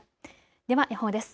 では予報です。